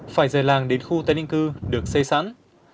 phải rời làng đến khu tái định cư được xây sẵn